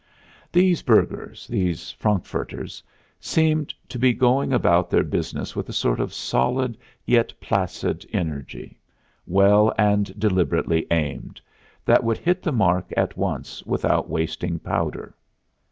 These burghers, these Frankfurters, seemed to be going about their business with a sort of solid yet placid energy, well and deliberately aimed, that would hit the mark at once without wasting powder.